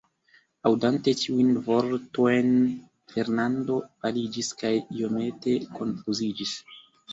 Aŭdante tiujn vortojn, Fernando paliĝis kaj iomete konfuziĝis.